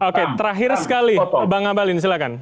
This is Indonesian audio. oke terakhir sekali bang ngabalin silahkan